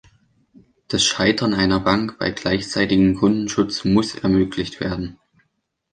Das Scheitern einer Bank bei gleichzeitigem Kundenschutz muss ermöglicht werden.